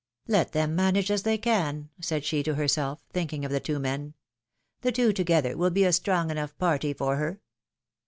Let them manage as they can," said she to herself, thinking of the two men. The two together will be a strong enough party for her